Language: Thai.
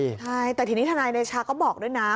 ใช่แต่ทีนี้ทนายเดชาก็บอกด้วยนะ